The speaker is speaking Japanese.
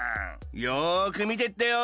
よくみてってよ！